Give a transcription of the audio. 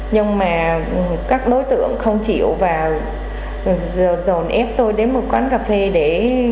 nhưng mà các đối tượng không chịu và dồn ép tôi đến một quán cà phê để